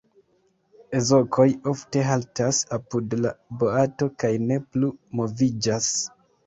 Ezokoj ofte haltas apud la boato kaj ne plu moviĝas.